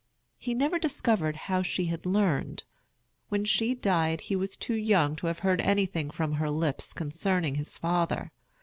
He never discovered how she had learned. When she died he was too young to have heard anything from her lips concerning his father.